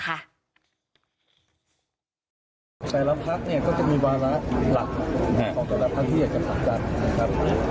แต่ละพักเนี่ยก็จะมีวาระหลักของแต่ละพักที่อยากจะผลักดันนะครับ